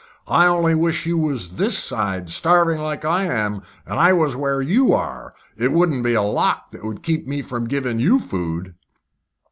I only wish you was this side, starving like I am, and I was where you are, it wouldn't be a lock that would keep me from giving you food."